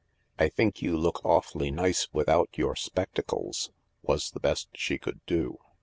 " I think you look awfully nice without your spectacles," was the best she could do.